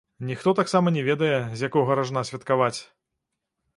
Ніхто таксама не ведае, з якога ражна святкаваць.